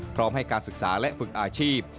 พร้อมให้การศึกษาและฝึกอาชีพ